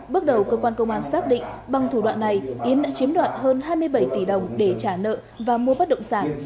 bước đầu cơ quan công an xác định bằng thủ đoạn này yến đã chiếm đoạt hơn hai mươi bảy tỷ đồng để trả nợ và mua bất động sản